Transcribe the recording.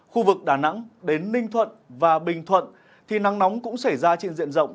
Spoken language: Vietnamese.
khu vực đà nẵng đến ninh thuận và bình thuận thì nắng nóng cũng xảy ra trên diện rộng